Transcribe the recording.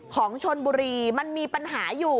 ของชนบุรีมันมีปัญหาอยู่